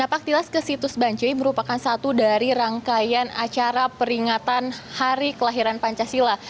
napak tilas ke situs banjoi merupakan satu dari rangkaian acara peringatan hari kelahiran pancasila